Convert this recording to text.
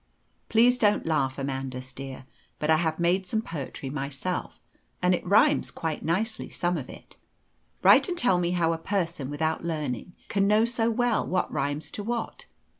"Please don't laugh, Amandus dear; but I have made some poetry myself, and it rhymes quite nicely, some of it. Write and tell me how a person, without learning, can know so well what rhymes to what?